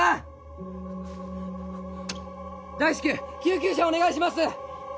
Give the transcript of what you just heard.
大至急救急車お願いします！